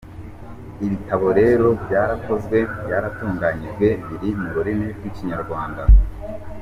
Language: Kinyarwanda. Ibitabo rero byarakozwe, byaratunganyijwe biri mu rurimi rw’Ikinyarwanda.